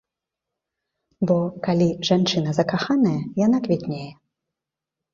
Бо калі жанчына закаханая, яна квітнее.